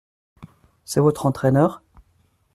C’est votre entraineur ?